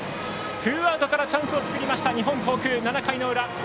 ツーアウトからチャンスを作りました日本航空、７回の裏。